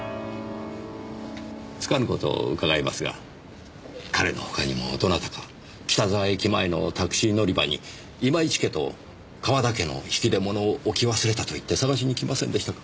つかぬ事を伺いますが彼のほかにもどなたか「北沢駅前のタクシー乗り場に今市家と河田家の引き出物を置き忘れた」と言って捜しにきませんでしたか？